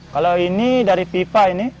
kalau ini dari pipa ini